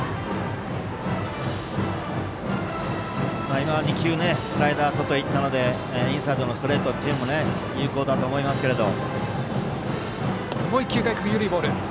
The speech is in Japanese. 今は、２球スライダー、外いったのでインサイドのストレートというのも有効だと思いますけれど。